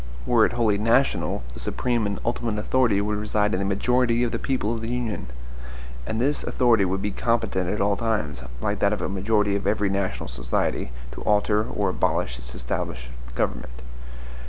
Were it wholly national, the supreme and ultimate authority would reside in the MAJORITY of the people of the Union; and this authority would be competent at all times, like that of a majority of every national society, to alter or abolish its established government.